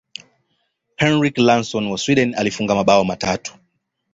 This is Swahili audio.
henrik larson wa sweden alifunga mabao matatu